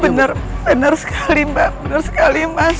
bener bener sekali mbak bener sekali mas